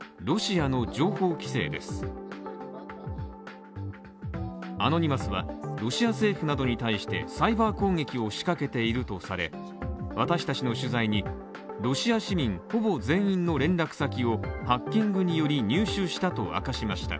アノニマスはロシア政府などに対してサイバー攻撃を仕掛けているとされ私達の取材に、ロシア市民、ほぼ全員の連絡先をハッキングにより入手したと明かしました。